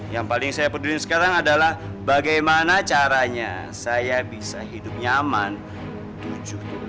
yang paling saya peduli sekarang adalah bagaimana caranya saya bisa hidup nyaman jujur